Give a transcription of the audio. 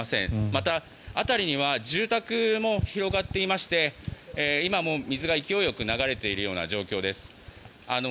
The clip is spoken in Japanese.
また、辺りには住宅も広がっていまして今も水が勢いよく流れている状況です。